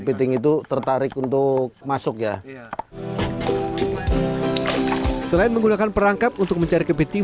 piting itu tertarik untuk masuk ya selain menggunakan perangkap untuk mencari kepiting